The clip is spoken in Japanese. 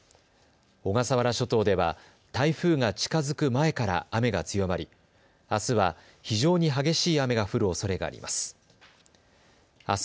小笠原諸島では台風が近づく前から雨が強まりあすは非常に激しい雨が降るおそれがあります。